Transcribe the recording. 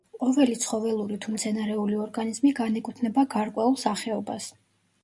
ყოველი ცხოველური, თუ მცენარეული ორგანიზმი განეკუთვნება გარკვეულ სახეობას.